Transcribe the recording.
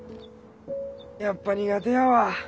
やっぱ苦手やわ